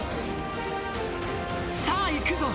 さあ、行くぞ。